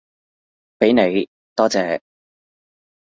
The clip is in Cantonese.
畀你，多謝